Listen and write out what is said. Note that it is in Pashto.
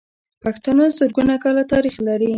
پښتانه زرګونه کاله تاريخ لري.